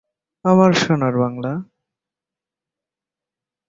দক্ষিণ কোরিয়ার পূর্ব উপকূল ধরে একটি সরু সমভূমি বিস্তৃত।